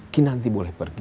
kinanti boleh pergi